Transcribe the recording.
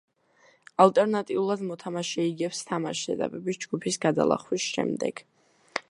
ალტერნატიულად, მოთამაშე იგებს თამაშს ეტაპების ჯგუფის გადალახვის შემდეგ.